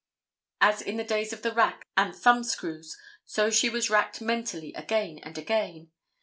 As in the days of the rack and thumb screws, so she was racked mentally again and again.